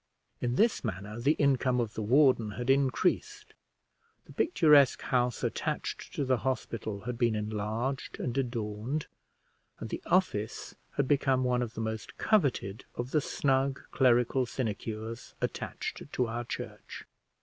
In this manner the income of the warden had increased; the picturesque house attached to the hospital had been enlarged and adorned, and the office had become one of the most coveted of the snug clerical sinecures attached to our church.